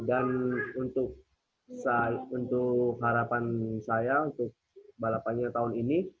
dan untuk harapan saya untuk balapannya tahun ini